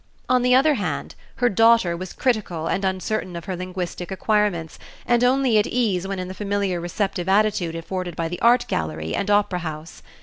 On the other hand, her daughter was critical and uncertain of her linguistic acquirements, and only at ease when in the familiar receptive attitude afforded by the art gallery and opera house.